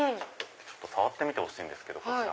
触ってみてほしいんですこちら。